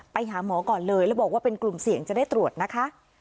ไปหาหมอก่อนเลยแล้วบอกว่าเป็นกลุ่มเสี่ยงจะได้ตรวจนะคะ